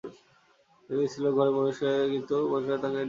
একজন স্ত্রীলােক ঘরে প্রবেশ করিতে চায়, কিন্তু প্রহরীরা তাহাকে নিষেধ করিতেছে।